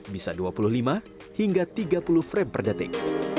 bisa dua puluh lima hingga tiga puluh frame per detik